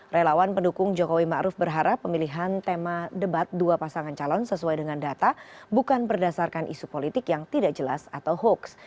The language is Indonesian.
relawan pendukung jokowi ⁇ maruf ⁇ berharap pemilihan tema debat dua pasangan calon sesuai dengan data bukan berdasarkan isu politik yang tidak jelas atau hoax